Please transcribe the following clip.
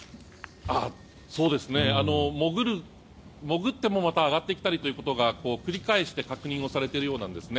潜ってもまた上がってきたりということが繰り返して確認されているようなんですね。